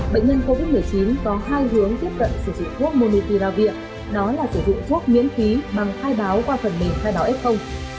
bệnh nhân covid một mươi chín có khả năng phòng